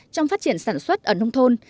trong phát triển sản xuất ở nông thôn